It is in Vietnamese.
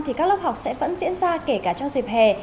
thì các lớp học sẽ vẫn diễn ra kể cả trong dịp hè